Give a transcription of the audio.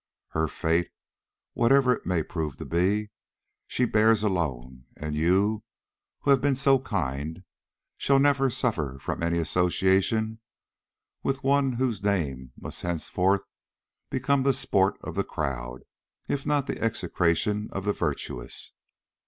Her fate, whatever it may prove to be, she bears alone, and you, who have been so kind, shall never suffer from any association with one whose name must henceforth become the sport of the crowd, if not the execration of the virtuous.